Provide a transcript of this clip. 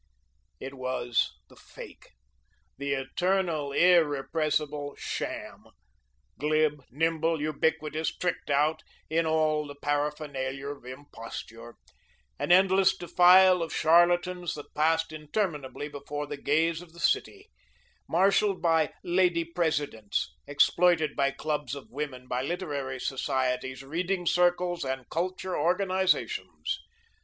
It was the Fake, the eternal, irrepressible Sham; glib, nimble, ubiquitous, tricked out in all the paraphernalia of imposture, an endless defile of charlatans that passed interminably before the gaze of the city, marshalled by "lady presidents," exploited by clubs of women, by literary societies, reading circles, and culture organisations.